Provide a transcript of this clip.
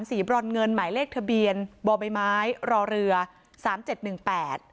บรอนเงินหมายเลขทะเบียนบ่อใบไม้รอเรือสามเจ็ดหนึ่งแปด